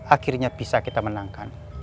akhirnya bisa kita menangkan